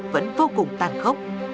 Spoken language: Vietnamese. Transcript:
vẫn vô cùng tàn khốc